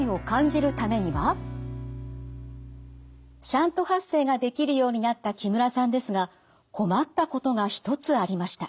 シャント発声ができるようになった木村さんですが困ったことが一つありました。